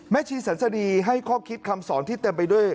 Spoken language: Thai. ชีสันสดีให้ข้อคิดคำสอนที่เต็มไปด้วย